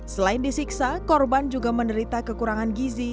selain disiksa korban juga menderita kekurangan gizi